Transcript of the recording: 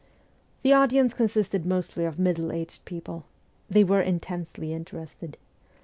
The audience consisted mostly of middle aged people. They were intensely interested.